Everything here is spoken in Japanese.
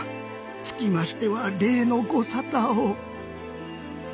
つきましては例のご沙汰を。